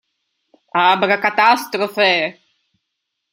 Abra Catastrofe!